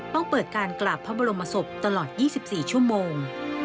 ต้องเปิดการกราบพระบรมศพตลอด๒๔ชั่วโมง